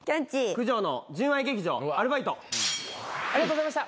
九条の「純愛劇場アルバイト」ありがとうございました。